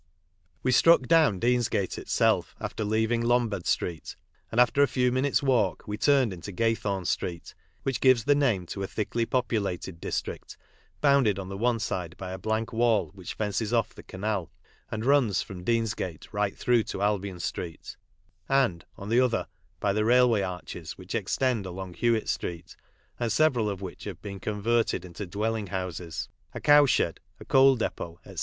We struck down Deansgate itself after leaving Lombard street, and after a few minutes' walk we turned into Gay thorn street, which gives the name to a thickly populated district bounded on the one side by a blank wall which fences off the canal and runs from Deansgate right through to Albion street; and, on the other, by the railway arches which extend along Hewitt street and several of which have been converted into dwelling houses, a cowshed, a coal depot, &c.